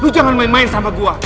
lo jangan main main sama dia